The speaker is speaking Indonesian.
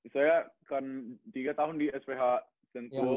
saya tiga tahun di sph tentu